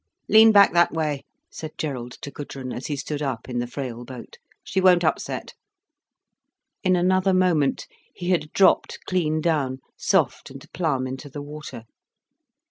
"Lean back that way," said Gerald to Gudrun, as he stood up in the frail boat. "She won't upset." In another moment, he had dropped clean down, soft and plumb, into the water.